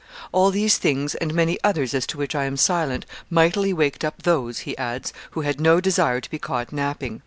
All these things, and many others as to which I am silent, mightily waked up those," he adds, "who had no desire to be caught napping.